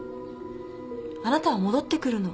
あなたは戻ってくるの。